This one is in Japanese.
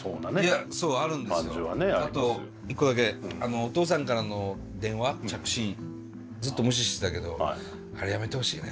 お父さんからの電話着信ずっと無視してたけどあれやめてほしいね。